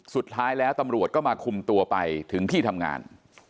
สุดท้ายแล้วตำรวจก็มาคุมตัวไปถึงที่ทำงาน